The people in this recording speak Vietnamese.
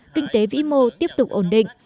kinh tế vĩ mô tiếp tục ổn định